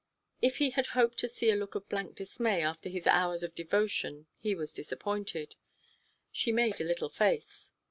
If he had hoped to see a look of blank dismay after his hours of devotion he was disappointed. She made a little face.